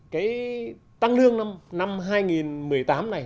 cái tăng lương năm hai nghìn một mươi tám này